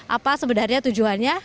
apa sebenarnya tujuannya